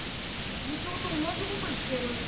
校長と同じこと言ってる。